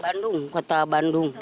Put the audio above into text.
bandung kota bandung